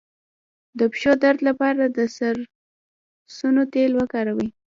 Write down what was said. د پښو درد لپاره د سرسونو تېل وکاروئ